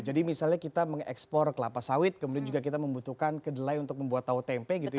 jadi misalnya kita mengekspor kelapa sawit kemudian juga kita membutuhkan kedelai untuk membuat tau tempe gitu ya